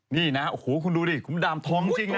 นี่นะฮะโอ้โหคุณดูดิคุณดามทองจริงนะ